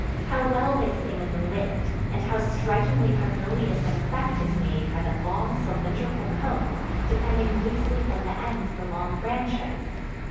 How well they sing in the wind, and how strikingly harmonious an effect is made by the long cylindrical cones, depending loosely from the ends of the long branches!